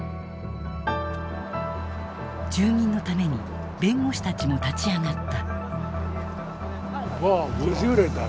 住民のために弁護士たちも立ち上がった。